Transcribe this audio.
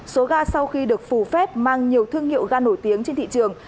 số ga sau khi được phù phép mang nhiều thương hiệu ga nổi tiếng trên thị trường